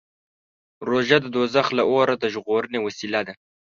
روژه د دوزخ له اوره د ژغورنې وسیله ده.